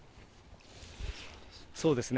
そうですね。